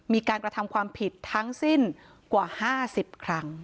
มีการกระทำความผิดทั้งสิ้นกว่า๕๐ครั้ง